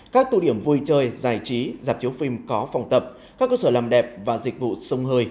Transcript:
các tụ điểm vui chơi giải trí dạp chiếu phim có phòng tập các cơ sở làm đẹp và dịch vụ sông hơi